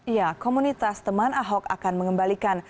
ya komunitas teman ahok akan mengembalikan